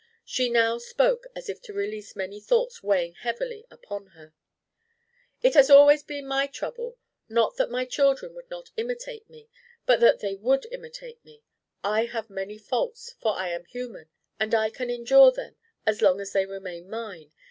She now spoke as if to release many thoughts weighing heavily upon her. "It has always been my trouble not that my children would not imitate me, but that they would imitate me! I have my faults, for I am human; and I can endure them as long as they remain mine.